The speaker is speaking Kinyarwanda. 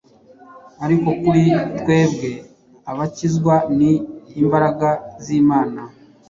ariko kuri twebwe abakizwa, ni imbaraga z’Imana;